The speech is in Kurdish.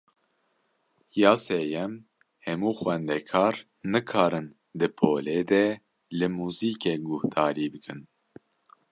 Ya sêyem, hemû xwendekar nikarin di polê de li muzîkê guhdarî bikin.